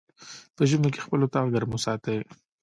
په ژمی کی خپل اطاق ګرم وساتی